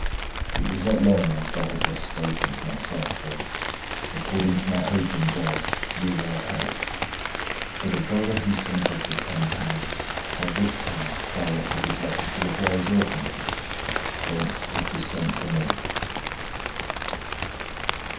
It was not long after I had thus spoken to myself, when, according to my hope in God, we were helped; for the brother who sent us the £10, had this time directed his letter to the Boys' Orphan House, whence it was sent to me."